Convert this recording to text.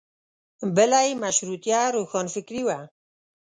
بله یې مشروطیه روښانفکري وه.